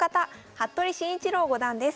服部慎一郎五段です。